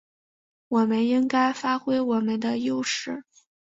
我们应该发挥我们的优势